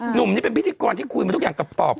หนุ่มนี่เป็นพิธีกรที่คุยมาทุกอย่างกับปอบ